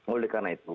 oleh karena itu